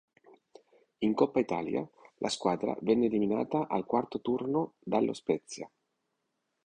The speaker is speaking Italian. In Coppa Italia, la squadra venne eliminata al quarto turno dallo Spezia.